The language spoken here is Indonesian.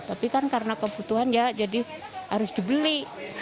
tapi kan karena kebutuhan ya jadi harus dibeli